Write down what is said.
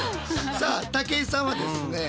さあ武井さんはですね